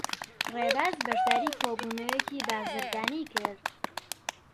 ڕێباز بەشداریی کۆبوونەوەیەکی بازرگانیی کرد.